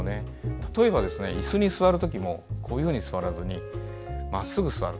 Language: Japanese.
例えば、いすに座るときもゆったり座らずにまっすぐ座る。